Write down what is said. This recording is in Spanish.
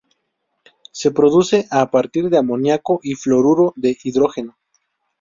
Se produce a partir de amoníaco y fluoruro de hidrógeno.